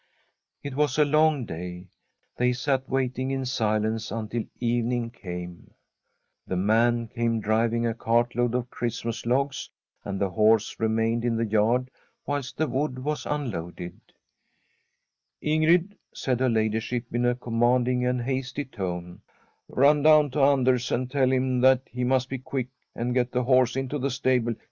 It was a long day. They sat waiting in silence until evening came. The man came driving a cartload of Christ mas logs, and the horse remained in the yard whilst the wood was unloaded. ' Ingrid,' said her ladyship in a commanding Tbi STORY of a COUNTRY HOUSE and hasty tone, ' run down to Anders and tell him that he must be quick and get the horse into the stable.